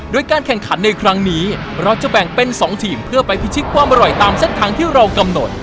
โดยการแข่งขันในครั้งนี้เราจะแบ่งเป็น๒ทีมเพื่อไปพิชิตความอร่อยตามเส้นทางที่เรากำหนด